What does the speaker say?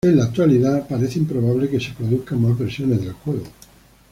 En la actualidad parece improbable que se produzcan más versiones del juego.